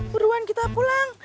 buruan kita pulang